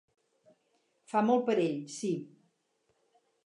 Fa molt per ell, sí.